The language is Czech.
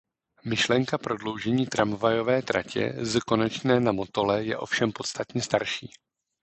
Myšlenka prodloužení tramvajové tratě z konečné na Motole je ovšem podstatně starší.